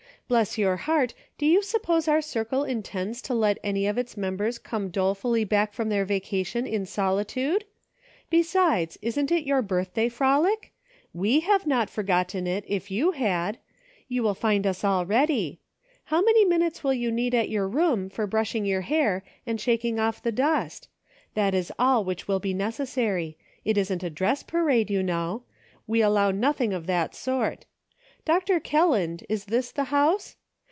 * Bless your heart, do you suppose our circle intends to let any of its members come dolefully back from their vacation in solitude .* Besides, isn't it your birthday frolic ? We have not forgotten it if you had ; you will find us all ready. How many minutes will you need at your room for brushing your hair, and shaking off the dust } That is all which will be necessary. It isn't a dress parade, you know ; we allow nothing of that sort. Dr. Kelland, is this the house